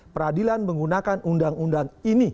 peradilan menggunakan undang undang ini